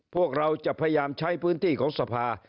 พวกเราจะพยายามใช้พื้นที่ของสภา